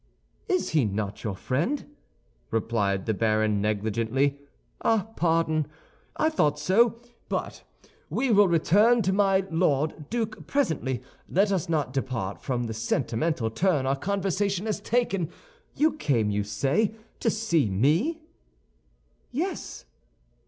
"Is he not your friend?" replied the baron, negligently. "Ah, pardon! I thought so; but we will return to my Lord Duke presently. Let us not depart from the sentimental turn our conversation had taken. You came, you say, to see me?" "Yes."